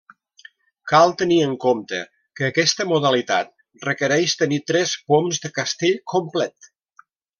Cal tenir en compte que aquesta modalitat requereix tenir tres poms de castell complet.